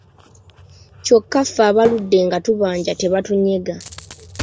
Kyokka ffe abaludde nga tubanja tebatunyega.